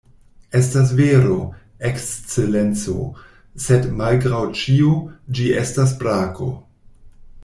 “Estas vero, Ekscelenco; sed, malgraŭ ĉio, ĝi estas brako.”